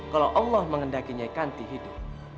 kalau allah mengendaki nyikanti hidup